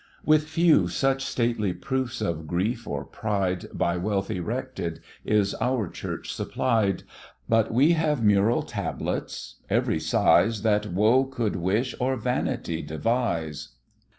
With few such stately proofs of grief or pride, By wealth erected, is our Church supplied; But we have mural tablets, every size, That woe could wish, or vanity devise.